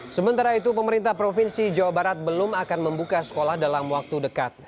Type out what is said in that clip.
sementara itu pemerintah provinsi jawa barat belum akan membuka sekolah dalam waktu dekat